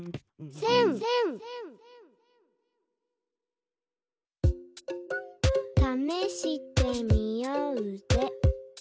「せん」「ためしてみよーぜ」